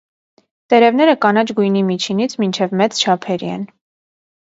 Տերևները կանաչ գույնի միջինից մինչև մեծ չափերի են։